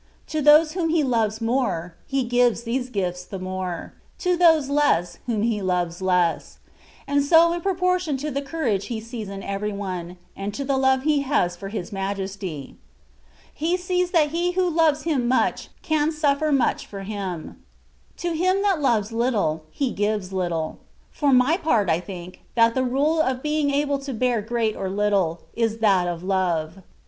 To those whom He loves more. He gives these gifts the more ; to those less, whom He loves less ; and so in proportion to the courage He sees in every one, and to the love He has for His Majesty. He sees that he who loves Him much, can suffer much for Him. To him that loves little. He gives little. For my part I think, that the rule of being able to bear great or little, is that of love.